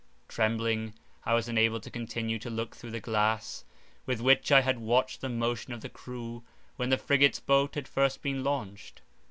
Trembling, I was unable to continue to look through the glass with which I had watched the motion of the crew, when the frigate's boat had first been launched.